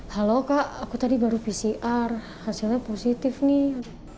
halo kak aku tadi baru pcr hasilnya positif nih